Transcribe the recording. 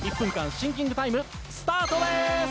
シンキングタイムスタートです。